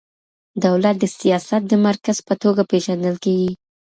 دولت د سياست د مرکز په توګه پېژندل کېږي.